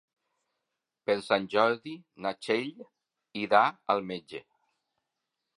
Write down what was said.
Per Sant Jordi na Txell irà al metge.